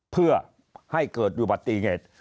เพื่อให้เกิดอุบัติเหตุ